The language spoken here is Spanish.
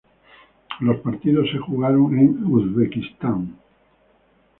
Los partidos se jugaron en Uzbekistán.